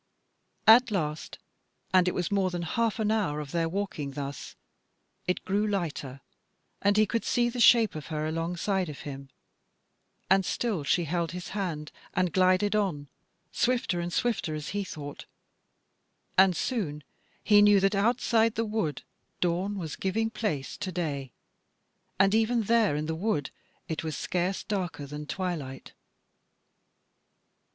At last, and it was more than half an hour of their walking thus, it grew lighter, and he could see the shape of her alongside of him; and still she held his hand and glided on swifter and swifter, as he thought; and soon he knew that outside the wood dawn was giving place to day, and even there, in the wood, it was scarce darker than twilight.